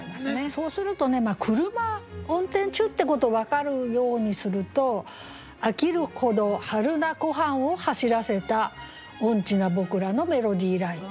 そうすると車運転中っていうことを分かるようにすると「飽きるほど榛名湖畔を走らせた音痴な僕らのメロディーライン」。